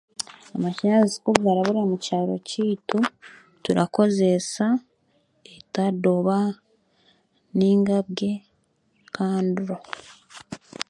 Amashanyarazi kugarabura mukyaro kyaitu, turakorezeesa etadoba nainga bwe kanduro